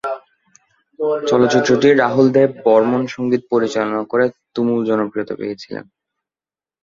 চলচ্চিত্রটি রাহুল দেব বর্মণ সঙ্গীত পরিচালনা করে তুমুল জনপ্রিয়তা পেয়েছিলেন।